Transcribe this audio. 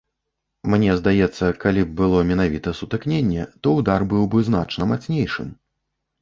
Мне здаецца, калі б было менавіта сутыкненне, то ўдар быў бы значна мацнейшым.